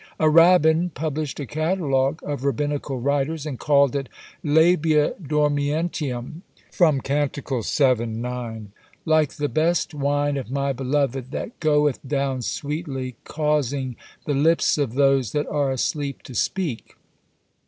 A rabbin published a catalogue of rabbinical writers, and called it Labia Dormientium, from Cantic. vii. 9. "Like the best wine of my beloved that goeth down sweetly, causing the lips of those that are asleep to speak."